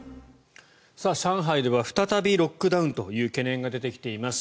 上海では再びロックダウンという懸念が出てきています。